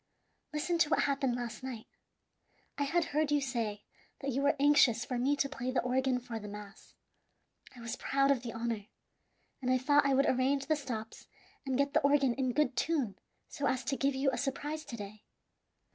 Listen to what happened last night. I had heard you say that you were anxious for me to play the organ for the mass. I was proud of the honor, and I thought I would arrange the stops and get the organ in good tune so as to give you a surprise to day.